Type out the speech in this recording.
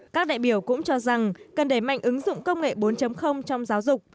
các đại biểu cũng cho rằng cần đẩy mạnh ứng dụng công nghệ bốn trong giáo dục